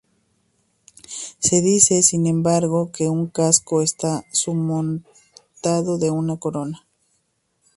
Se dice sin embargo que un casco está surmontado de una corona.